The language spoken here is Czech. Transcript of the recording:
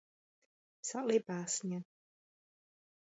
Psal i básně.